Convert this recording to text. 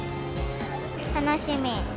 楽しみ。